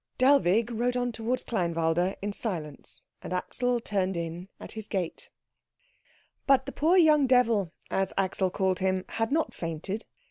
Dellwig rode on towards Kleinwalde in silence, and Axel turned in at his gate. But the poor young devil, as Axel called him, had not fainted.